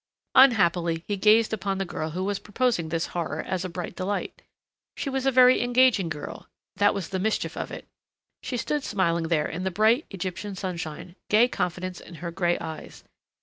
Unhappily he gazed upon the girl who was proposing this horror as a bright delight. She was a very engaging girl that was the mischief of it. She stood smiling there in the bright, Egyptian sunshine, gay confidence in her gray eyes.